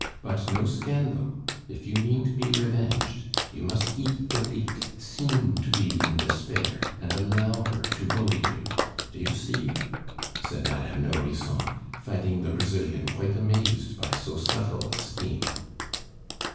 But no scandal! If you mean to be revenged, you must eat the leek, seem to be in despair, and allow her to bully you. Do you see?" said Madame Nourrisson, finding the Brazilian quite amazed by so subtle a scheme.